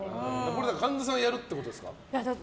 神田さんはやるってことですか？